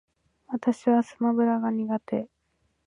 私はスマブラが下手